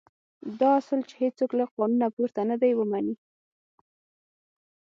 دا اصل چې هېڅوک له قانونه پورته نه دی ومني.